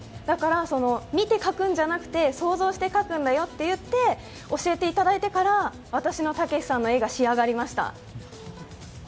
だから、見て描くんじゃなくて想像して描くんだよって教えていただいてから、私のたけしさんの絵が仕上がりました。